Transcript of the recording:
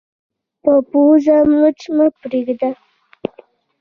په پوزې مچ مه پرېږده